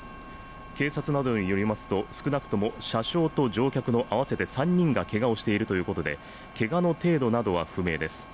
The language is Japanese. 警察などによりますと、少なくとも車掌と乗客の合わせて３人がけがをしているということで、けがの程度などは不明です。